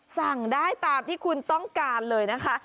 สั่งได้ตามที่คุณต้องการเลยนะคะ